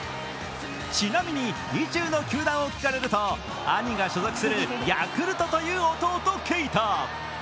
ちなみに、意中の球団を聞かれると兄が所属するヤクルトという弟・慶太。